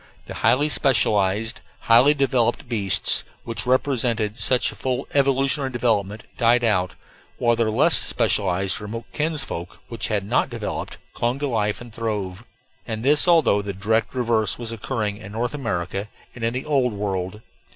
The highly specialized, highly developed beasts, which represented such a full evolutionary development, died out, while their less specialized remote kinsfolk, which had not developed, clung to life and throve; and this although the direct reverse was occurring in North America and in the Old World.